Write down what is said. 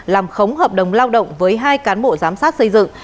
làm khống hợp đồng lao động với hai cán bộ giám sát xây dựng